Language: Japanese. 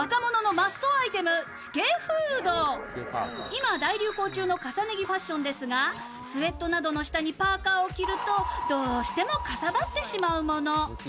今、大流行中の重ね着ファッションですがスウェットなどの下にパーカーを着るとどうしてもかさばってしまうもの。